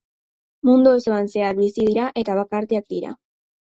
Mundu osoan zehar bizi dira eta bakartiak dira.